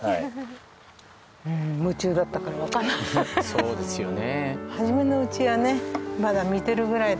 そうですよね。